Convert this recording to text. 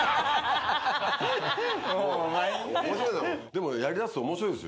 でもやりだすと面白いですよ。